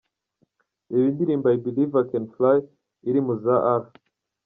Reba indirimbo "I Believe I Can Fly" iri mu za R.